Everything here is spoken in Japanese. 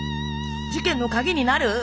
事件の鍵になる？